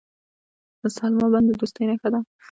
د سلما بند د دوستۍ نښه ده.